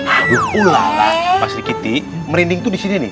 aduh ulah lah pas dikiti merinding tuh di sini nih